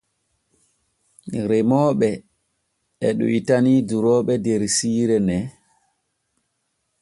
Remooɓe e ɗoytani durooɓe der siire nee.